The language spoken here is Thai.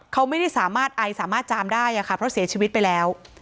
เขาไม่ได้สามารถไอสามารถจามได้ค่ะเพราะเสียชีวิตไปแล้ว